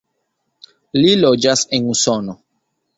Li loĝas en Usono.